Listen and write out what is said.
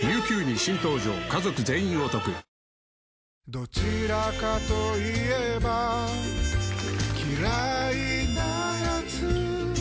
どちらかと言えば嫌いなやつ